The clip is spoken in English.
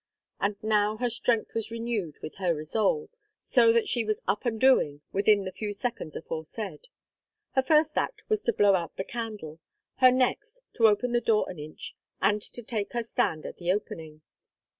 And now her strength was renewed with her resolve, so that she was up and doing within the few seconds aforesaid; her first act was to blow out the candle; her next, to open the door an inch and to take her stand at the opening.